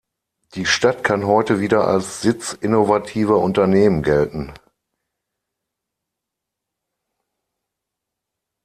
Die Stadt kann heute wieder als Sitz innovativer Unternehmen gelten.